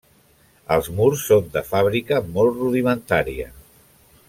Els murs són de fàbrica molt rudimentària.